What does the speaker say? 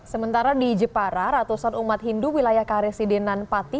sementara di jepara ratusan umat hindu wilayah karesidenan pati